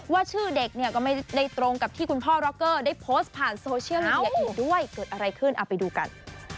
ชื่อเด็กเนี่ยก็ไม่ได้ตรงกับที่คุณพ่อร็อกเกอร์ได้โพสต์ผ่านโซเชียลมีเดียอีกด้วยเกิดอะไรขึ้นเอาไปดูกัน